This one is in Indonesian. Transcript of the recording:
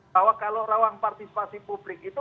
bahwa kalau rawang partisipasi publik itu